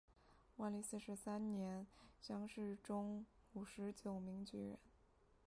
万历四十三年乡试中五十九名举人。